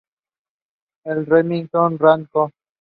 La Remington Rand Co.